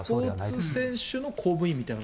スポーツ選手も公務員みたいな。